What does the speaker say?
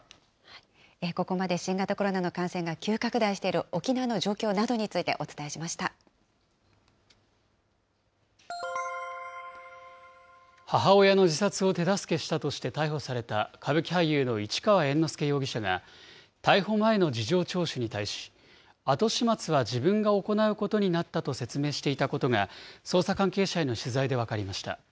ここまで新型コロナの感染が急拡大している、沖縄の状況などにつ母親の自殺を手助けしたとして逮捕された、歌舞伎俳優の市川猿之助容疑者が、逮捕前の事情聴取に対し、後始末は自分が行うことになったと説明していたことが、捜査関係者への取材で分かりました。